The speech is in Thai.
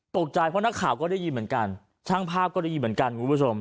เพราะนักข่าวก็ได้ยินเหมือนกันช่างภาพก็ได้ยินเหมือนกันคุณผู้ชม